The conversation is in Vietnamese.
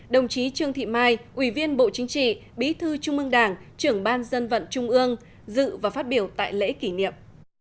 đồng chí trương thị mai ủy viên bộ chính trị bí thư trung ương đảng trưởng ban dân vận trung ương dự và phát biểu tại lễ kỷ niệm